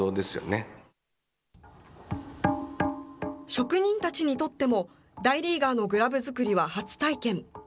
職人たちにとっても、大リーガーのグラブ作りは初体験。